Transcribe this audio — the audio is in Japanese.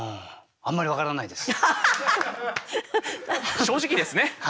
うん正直ですね。